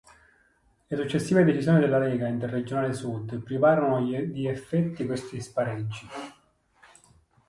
Le successive decisioni della Lega interregionale Sud privarono di effetti questi spareggi.